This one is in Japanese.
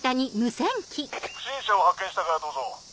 不審者を発見したかどうぞ。